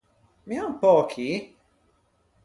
Mia un pö chì?